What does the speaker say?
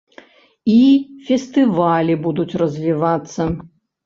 І фестывалі будуць развівацца.